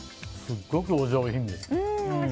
すごくお上品です。